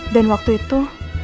dan waktu itu